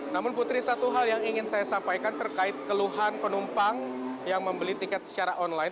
namun putri satu hal yang ingin saya sampaikan terkait keluhan penumpang yang membeli tiket secara online